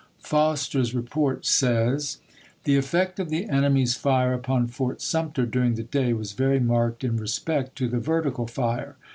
Foster's report says ; The effect of the enemy's fire upon Fort Sumter during the day was very marked in respect to the vertical fire.